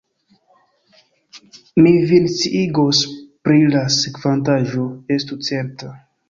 Mi vin sciigos pri la sekvantaĵo, estu certa!